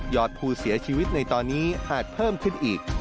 อดผู้เสียชีวิตในตอนนี้อาจเพิ่มขึ้นอีก